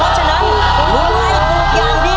เพราะฉะนั้นคุณให้ถูกอย่างเดียว